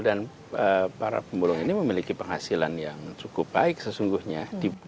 dan para pemulung ini memiliki penghasilan yang cukup baik sesungguhnya